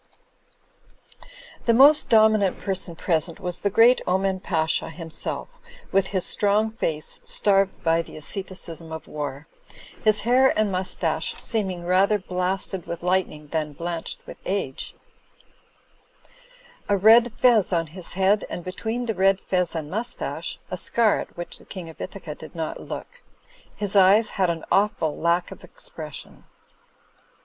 The most dominant person present was the great Oman Pasha himself, with his strong face starved by the asceticism of war, his hair and mustache seem ing rather blasted with lightning than blanched with age; a red fez on his head, and between the red fez and mustache, a scar at which the King of Ithaca did not look. His eyes had an awftd lack of expression.